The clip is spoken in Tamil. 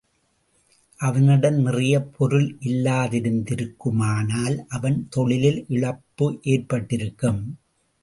அவனிடம் நிறையப் பொருள் இல்லாதிருந் திருக்குமானால் அவன் தொழிலில் இழப்பு ஏற்பட்டிருக்கும்.